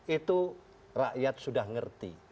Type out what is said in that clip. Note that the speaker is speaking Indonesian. itu rakyat sudah ngerti